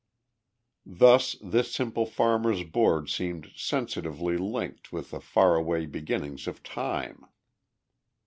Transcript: Thus this simple farmer's board seemed sensitively linked with the far away beginnings of time.